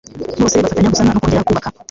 bose bafatanya gusana no kongera kubaka